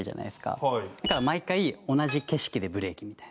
だから毎回同じ景色でブレーキみたいな。